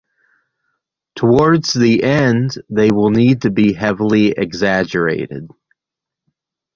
Towards the end, they will need to be heavily exaggerated.